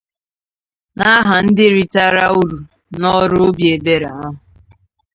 n'aha ndị ritara úrù n'ọrụ obi ebere ahụ